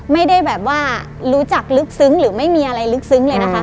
ไม่ได้แบบว่ารู้จักลึกซึ้งหรือไม่มีอะไรลึกซึ้งเลยนะคะ